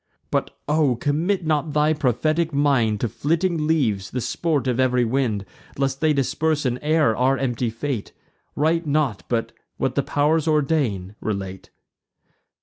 But O! commit not thy prophetic mind To flitting leaves, the sport of ev'ry wind, Lest they disperse in air our empty fate; Write not, but, what the pow'rs ordain, relate."